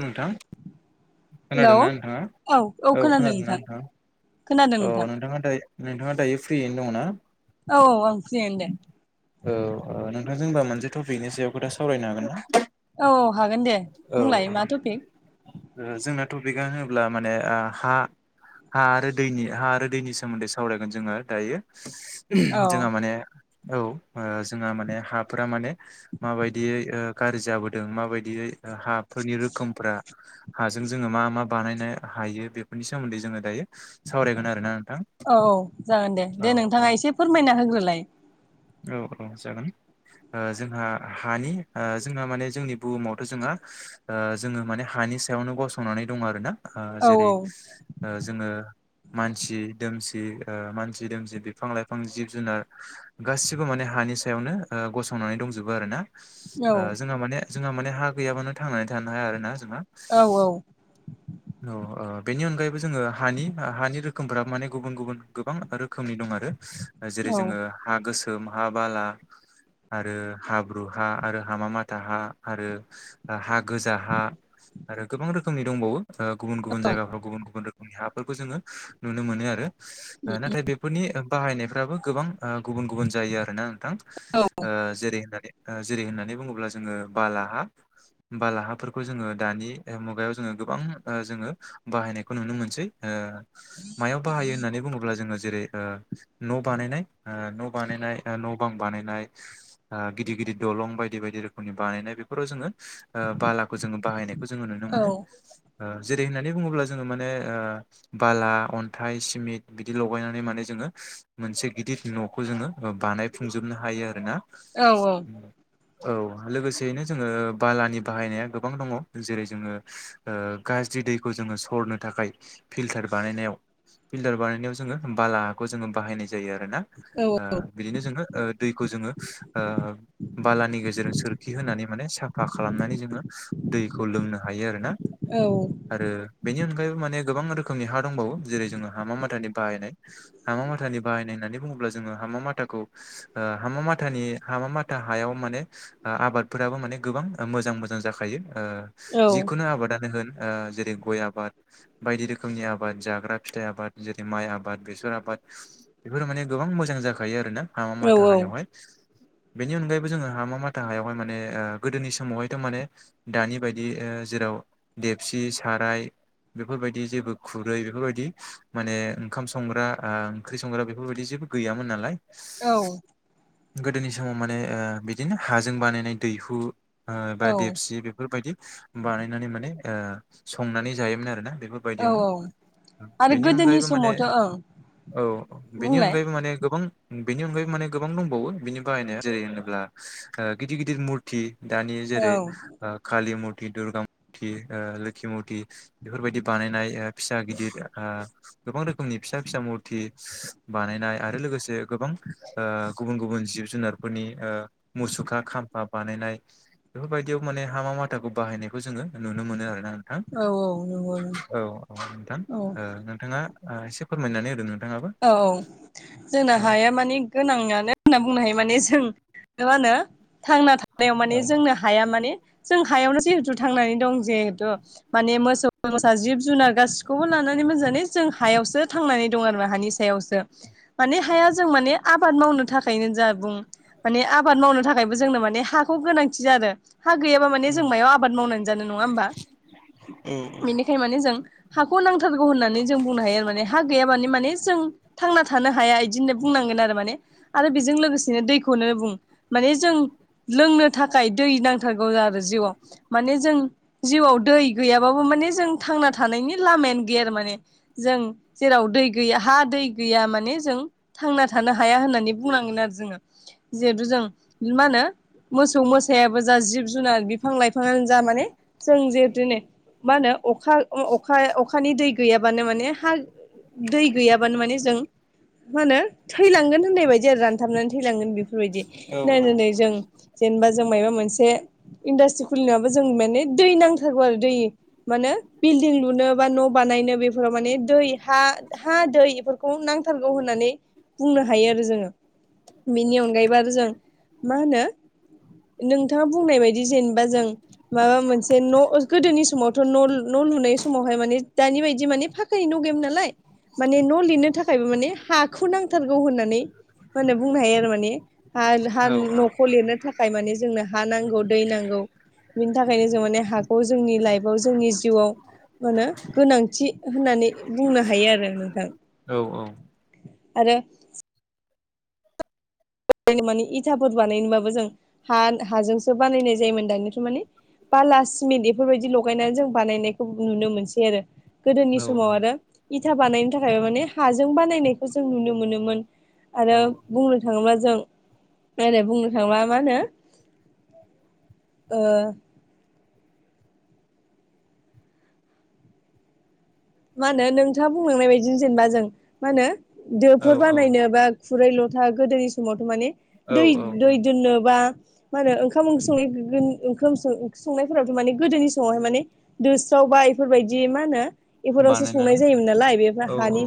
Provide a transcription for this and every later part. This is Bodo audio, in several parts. नोंथां हेलौ खोनादोंना नोंथाङा? औ खोनादोंना नोंथां? खोनादों औ नोंथां नोंथाङा दा नोंथाङा दायो फ्रियैनो दङना? औ औ आं फ्रियानो दे औ नोंथां जोंबा मोनसे टपिकनि सायाव खोथा सावरायनो हागोन ना? औ औ हागोन दे औ बुंलाय मा टपिक औ जोंनाथ' फिगा होनब्ला माने हा हा आरो दैनि हा आरो दैनि सोमोन्दै सावरायगोन जोङो दायो औ जोंहा माने औ ओ जोंहा माने हाफोरा माने माबायदियै ओ गाज्रि जाबोदों माबायदियै हाफोरनि रोखोमफोरा हाजों जोङो मा मा बानायनो हायो बेफोरनि सोमोन्दै जोङो दायो सावरायगोन आरोना नोंथां औ जागोन दे औ दे औ नोंथाङा एसे फोरमायना होग्रोलाय? औ औ जागोन ओ जोंहा हानि जोंहा माने जोंनि बुहुमावथ' जोंहा ओ जोङो माने हानि सायावनो गसंनानै दं आरो ना। ओ औ जेरै ओ जोङो मानसि दोमसि ओ मानसि दोमसि बिफां लाइफां जिब जुनार गासिबो माने हानि सायावनो ओ गसंनानै दंजोबो आरो ना औ ओ जोंहा माने जोंहा माने हा गैयाबानो थांनानै थानो हाया आरोना जोंहा। औ औ ओ बेनि अनगायैबो जोङो हानि हानि रोखोमफोरा माने गुबुन गुबुन गोबां रोखोमनि दङ। आरो जेरै औ जोङो हा गोसोम हा बाला आरो हाब्रु हा आरो हामा माथा हा आरो हा गोजा हा। आरो गोबां रोखोमनि दंबावो। गुबुन गुबुन जायगाफ्राव गुबुन गुबुन रोखोमनि हाफोरखौ जोङो नुनो मोनो आरो नाथाय बेफोरनि बाहायनायफ्राबो गोबां गुबुन गुबुन जायो आरोना। औ जेरै होननानै जेरै होननानै बुङोब्ला जोङो बाला बालाहाफोरखौ जोङो दानि मुगायाव जोङो गोबां जोङो बाहायनायखौ नुनो मोनसै ओ मायाव बाहायो होननानै बुङोब्ला जोङो जेरै न' बानायनाय। ओ न' बानायनाय न' बां बानायनाय ओ गिदिर गिदिर दलं बायदि बायदि रोखोमनि बानायनाय बे फोराव जोङो ओ बालाखौ जोङो बाहायनायखौ जोङो नुनो औ मोनो ओ जेरै होननानै बुङोब्ला जोङो माने ओ बाला अन्थाइ सिमिथ बिदि लगायनानै माने जों मोनसे गिदिर न'खौ जोङो बानायफुंजोबनो हायो आरो ना। औ औ। औ लोगोसेयैनो जोङो बालानि बाहायनाया गोबां दङ जेरै जोङो ओ गाज्रि दैखौ जोङो सरनो थाखाय फिल्टार बानायनायाव फिल्टार बानायनायाव जोङो बाला हाखौ जोङो बाहायनाय जायो आरोना औ ओ बिदिनो जोङो दैखौ जोङो ओ बालानि गेजेरजों सोरखि होनानै माने साफा खालामनानै जोङो दैखौ लोंनो हायो आरो ना। औ आरो बेनि अनगायैबो माने गोबां रोखोमनि हा दंबावो जेरै जोङो हामा माथानि बाहायनाय हा हामा माथानि बाहायनाय होननानै बुङोब्ला जोङो हामा माथाखौ ओ हामा माथानि हामा माथा हायाव माने ओ आबादफोराबो माने गोबां मोजां मोजां जाखायो ओ जिखुनु आबादनो होन। ओ जेरै गय आबाद, बायदि रोखोमनि आबाद, जाग्रा फिथाइ आबा, द जेरै माइ आबाद, बेसर आबाद बेफोर माने गोबां मोजां जाखायो आरोना हामा माथा हायावहाय। बेनि अनगायैबो जोङो हामा माथा हायावहाय माने ओ गोदोनि समावहायथ' माने दानि बायदि जेराव देबसि साराय बेफोरबायदि जेबो खुरै बेफोरबायदि माने ओंखाम संग्रा आ ओंख्रि संग्रा बेफोरबायदि जेबो गैयामोन नालाय। औ गोदोनि समाव माने ओ बिदिनो हाजों बानायनाय दैहु बा देपसि बेफोरबायदि बानायनानै माने ओ संनानै जायोमोन आरोना। औ बेफोरबायदियावनो औ आरो बेनि गोदोनि अनगायैबो माने समावथ' ओं औ बेनि बुंलाय अनगायैबो माने गोबां बेनि अनगायै माने गोबां दंबावो बेनि बाहायनाया जेरै होनोब्ला गिदिर गिदिर मुरथि दानि औ जेरै कालि मुर्थि, दुर्गा मुर्थि ओ लोख्खि मुरथि बेफोरबायदि बानायनाय ओ फिसा गिदिर आळगोबां रोखोमनि फिसा फिसा मुरथि बानायनाय आरो लोगोसे गोबां ओ गुबुन गुबुन जिब जुनारफोरनि ओ मुसुखा खाम्फा बानायनाय बेफोरबा यदियाव माने हामा माथाखौ बायनायखौ जोङो नुनो मोनो आरोना नोंथां। औ नंगौ औ औ नोंथां नंगौ औ नोंथाङा एसे फोरमायनानै होदोंमोन। औ जोंना हाया माने गोनांयानो होनना बुंनो हायो माने जों मा होनो थांना थानायाव माने जोंनो हाया माने जों हायावनो जिहेतु थांनानै दं जिहेथु माने मोसौ मोसा जिब जुनार गासिखौबो लानानै एमोजानो जों हायावसो थांनानै दं आरमा हानि सायावसो माने हाया जों माने आबाद मावनो थाखायनो जा बुं माने आबाद मावनो था थाखायबो जोंनो माने हाखौ गोनांथि आरो हा गैयाबा माने औ जों मायाव आबाद मावनानै जानो नङा होमबा? औ बेनिखाय माने जों हाखौ नांथारगौ होननानै जों बुंनो हायो आरो माने हा गैया माने माने जों थांना थानो हाया इदिनो बुंनांगोन आरो माने आरो बेजों लोगोसेनो दैखौनो बुं माने जों लोंनो थाखाय दै नांथारगौ आरो जिउआव माने जों जिउआव दै गैयाबाबो माने जों थांना थानायनि लामायानो गैया आरो माने जों जेराव गैया हा दै गैया माने जों थांना थानो हाया होननानै बुंनांगोन आरो जोङो जिहेथु जों मा होनो मोसौ मोसायाबो जा, जिब जुनार, बिफां लाइफाङानो जा माने जों जेहेथु ने मा होनो अखा अखा अखानि दै गैयाबानो माने हा दै गैयाबानो माने जों मा होनो थैलांगोन नायबायदि आरो रानथाबनानै थैलांगोन बेफोरबायदि नै नै नै जों जेनेबा जों माबा मोनसे इन्डास्ट्रि खुलिनाबो जों माने दै नांथारगौ आरो दै माने बिल्डिं लुनो, बा न' बां बानायनो बेफोर माने दै हा हा दै इफोरखो माने खौ नांथारगौ होननानै बुंनो हायो आरो जोङो बेनि अनगायैबो आरो जों मा होनो नोंथाङा बुंनाय बायदि जेन बा जों माबा मोनसे न' गोदोनि समावथ' न न लुनाय समावहाय मानो दानि बायदि माने फाखानि न गैयामोन नालाय माने न' लिरनो थाखायबो माने हाखौ नांथारगौ होननानै होनो बुंनो हायो आरो माने। हा हा न'खौ लिरनो थाखाय माने जोंनो हा नांगौ दै नांगौ बिनि थाखायनो जों माने हाखौ जोंनि लाइफ आव जोंनि जिउआव मा होनो गोनांथि होननानै बुंनो हायो आरो। नोंथां औ औ आरो माने इथाफोर बानायनोबाबो जों हा हाजोंसो बानायनाय जायोमोन दानिथ' माने बाला सिमेन्ट बेफोरबायदि लगायनानै जों बानायनायखौ नुनो मोनसै आरो। गोदोनि समाव आरो इथा बानायनो थाखाय माने हाजों बानायनायखौ जों नुनो मोनोमोन। आरो बुंनो थाङोब्ला जों रै बुंनो थाङोब्ला मा होनो [inaudible] मा होनो नोंथाङा बुंलांनाय बायदि जेनेबा जों मा होनो औ दोफोर औ बानायनो बा खुरै लथा गोदोनि समावथ' माने दै दै औ दोननोबा मा होनो ओंखाम ओंख स ओंखाम संनायफोरावथ' माने गोदोनि समावहाय माने दोसोआव सबा इफोरबायदि मा होनो इफोरावसो संनाय बानायनानै जायोमोन नालाय बेफोर औ औ हानि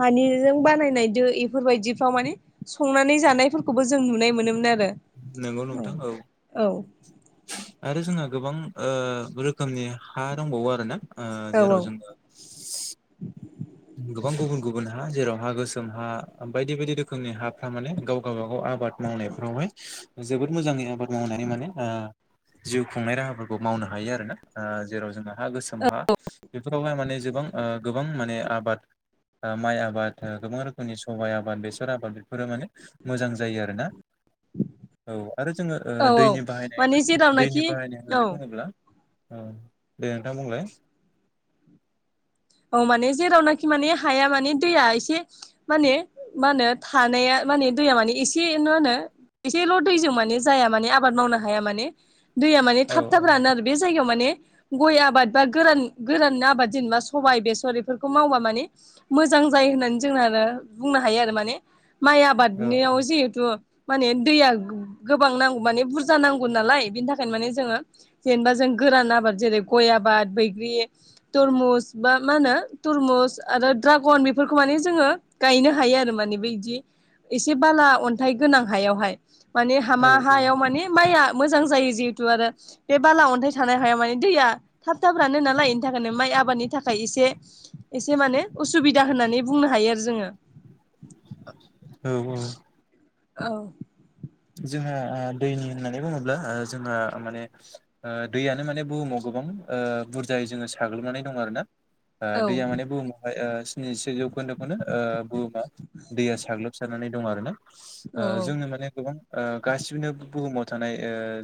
हानिजों बानायनाय दो इफोरबायदिफ्राव माने संनानै जानायफोरखौबो जों नुनाय मोनोमोन आरो नंगौ नोंथां औ औ आरो जोंहा गोबां रोखोमनि हा दंबावो आरो [unintelligible] ना औ जेराव जोङो गोबां गुबुन गुबुन हा जेराव हा गोसोम हा बायदि बायदि रोखोमनि हाफ्रा माने गाव गावब गाव आब आबाद मावनायफ्रावहाय जोबोद मोजाङै आबाद मावनानै माने जिउ खुंनाय राहाफोरखौ मावनो हायो आरोना जेराव जोङो हा गोसोम हा बेफोरावहाय माने गोबां गोबां माने आबाद माइ आबाद गोबां रोखोमनि सबाइ आबाद बेसर आबाद बेफोरो माने मोजां जायो आर [unintelligible] ना [inaudible] औ आरो जोङो औ औ दैनि बाहायनाय माने दैनि जेरावनाखि बाहायनाय होननानै औ बुङोब्ला औ दे नोंथां बुंलाय औ माने जेरावनाखि माने हाया माने दैया एसे माने मा होनो थानाया माने दैया माने एसे ना होनो एसेल' दैजों माने जाया माने आबाद मावनो हाया माने दैया माने औ थाब थाब औ रानो आरो बे जायगायाव माने गय आबाद बा गोरान गोरान आबाद जेनेबा सबायाइ बेसर बेफोरखौ मावबा माने मोजां जायो होननानै जोंना आरो बुंनो हायो आरो माने माइ औ आबादनियाव जिहेथु माने दैया गोबां नांगौ माने बुरजा नांगौ नालाय बेनि थाखायनो माने जोङो जेनेबा जों गोरान आबाद जेरै गय आबाद बैग्रि तरमुस बा मा होनो तुरमुस आरो ड्रागन बेफोरखौ माने जोङो गायनो हायो आरो माने बेदि। एसे बाला अन्थाइ गोनां हायावहाय माने हामा औ हायाव माने माइया मोजां जायो जिहेतु आरो बे बाला अन्थाइ थानाय हाया माने दैया थाब थाब रानो नालाय बेनि थाखायनो माइ आबादनि थाखाय एसे एसे माने उसुबिदा होननानै बुंनो हायो आरो जोङो औ औ औ जोंहा दैनि होननानै बुङोब्ला जोंहा माने दैयानो माने बुहुमाव गोबां ओ बुरजायै जोङो साग्लोबनानै दं आरो ना ओ औ दैया माने बुहुमावहाय ओ स्निसे जौखोन्दोखौनो ओ बुहुमा दैया साग्लोबसारनानै दं आरो ना? ओ जोंनो औ माने गोबां गासिैनोबो बुहुमाव थानाय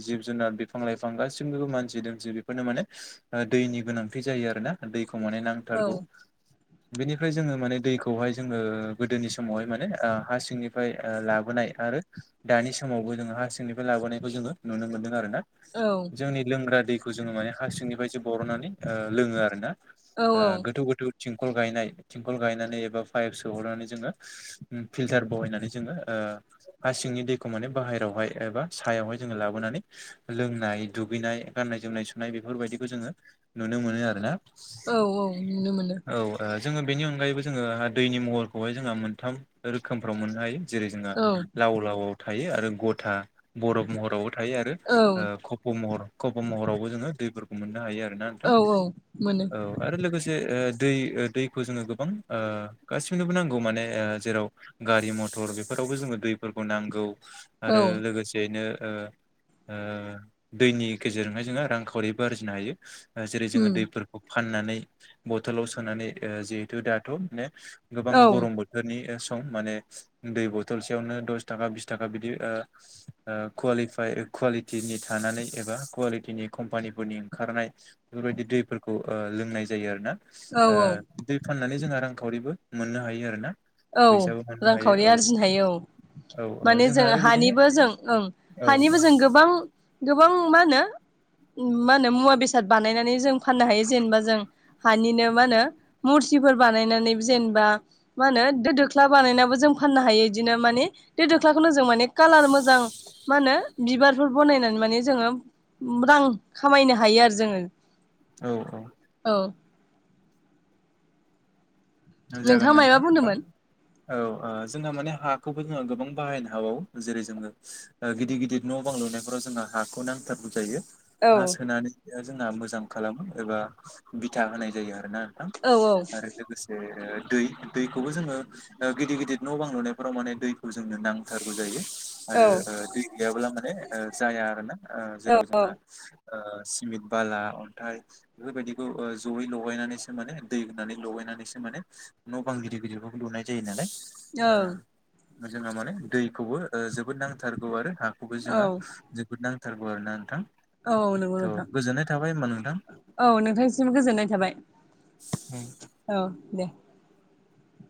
जिब जुनार बिफां लाइफां गासिनिबो मानसि दुमसि बेफोरनो माने दैनि गोनांथि जायो आरो ना दैखौ माने औ नांथारगौ बेनिफ्राय जोङो माने दैखौहाय जोङो गोदोनि समावहाय माने हा सिंनिफ्राय लाबोनाय आरो दानि समावबो जोङो हार सिंनिफ्राय लाबोनायखौ जोङो नुनो मोनदों आरो ना औ जोंनि लोंग्रा दैखौ खौ जोङो माने हार सिंनिफ्रायसो बर'नानै लोङो आरो ना औ गोथौ गोथौ थिंखल गायनाय थिंखल गायनानै एबा पाइप सोहरनानै जोङो फिल्टार बहायनानै जोङो ओ हा सिंनि दै ओ माने बाहेरावहाय एबा सायावहाय जोङो लाबोनानै लोंनाय दुगैनाय गान्नाय जोमनाय सुनाय बेफोर बेफोरबायदिखौ जोङो नुनो मोनो आरो ना? औ औ नुनो मोनो। जोङो बेनि अनगायैबो जोङोहा दैनि महरखौहाय जोंहा मोनथाम रोखोमफ्राव मोननो हायो। जेरै जोंहा औ लाव लावआव थायो आरो गथा बरफ महरावबो थायो आरो औ खप' महर खप' महरावबो जोङो दैफोरखौ मोननो हायो आरो नोंथां औ औ मोनो औ आरो लोगोसे दै दैखौ जोङो गोबां ओ गासिबनोबो नांगौ माने ओ जेराव गारि मथर बेफोर खौबो जोङो दैफोरखौ नांगौ औ आरो लोगोसेयैनो ओ ओ दैनि गेजेरजोंहाय जोङो रांखावरिबो आरजिनो हायो। ओ जेरै जोङो उम दैफोरखौ फाननानै बथलाव सोनानै ओ जिहेथु दाथ ने गोबां औ गरम बोथोरनि सम माने दै बथलसेयावनो दस थाखा बिस थाखा बिदि ओ ओ कुवालिपाइ कुवालिटिनि थानानै एबा कुवालिटिनि कम्पानि दैफोरनि ओंखारनाय बेफोर बायदि दैफोरखौ ओ लोंनाय जायो आरोना? औ औ ओ दै फाननानै जोंहा रांखावरिबो मोननो हायो आरोना। औ फैसाबो मोननो हायो रांखावरि औ आरजिनो हायो औ। औ माने जोंहा जों आरो बिदिनो हानिबो जों ओं औ हानिबो जों गोबां गोबां मा होनो। [inaudible] मा होनो मुवा बेसाद बानायनानै जों फाननो हायो जेनेबा जों हानिनो मा होनो मुरसिफोर बानायनानै जेनेबा मा होनो दो दोख्ला बानायनाबो जों फाननो हायो इदिनो माने बे दोख्लाखोनोज जों कालार मोजां मा होनो बिबार। बेफर बनायनानै माने जोङो रां खामायनो हायो आरो जोङो। औ औ औ औ जागोन नोंथाङा मायबा नोंथां होमबा बुंदोंमोन। औ ओ जोंहा माने हाखौबो जों गोबां बाहायनो हाबावो जेरै जोङो गिदिर गिदिर न बां लुनायफोराव जोंहा हाखौ नांथारगौ जायो। औ हा सोनानै जोंहा मोजां खालामो एबा बिथा होनाय जायो आरोना। औ औ। ओ दै दैखौबो जोङो गिदिर गिदिर न बां लुनायफोराव माने दैखौ जोंनो नांथारगौ जायो। आरो ओ औ दै गैयाब्ला माने ओ जाया आरो ना जेराव औ जोंहा ओ सिमेन्ट बाला अन्थाइ बेफोर बायदिखौ जयै लगायनानैसो माने दै होनानै लगायनानैसो माने न' बां गिदिर गिदिरफोरखौ लुनाय जायो नालाय। औ ओ जोंहा माने दैखौबो ओ जोबोद नांथारगौ आरो हा खौबो जोंङो औ जोबोद नांथारगौ आरोना नोंथां। औ नंगौ थ' नोंथां गोजोननाय थाबाय होमबा नोंथां औ नोंथांनिसिम गोजोननाय थाबाय। औ दे।